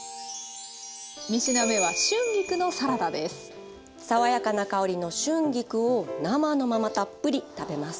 ３品目は爽やかな香りの春菊を生のままたっぷり食べます。